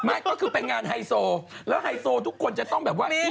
ไม่ก็คือไปงานไฮโซแล้วไฮโซทุกคนจะต้องแบบว่า